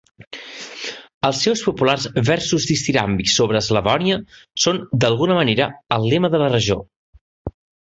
Els seus populars versos ditiràmbics sobre Slavonia són, d'alguna manera, el lema de la regió.